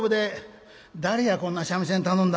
「誰やこんな三味線頼んだ。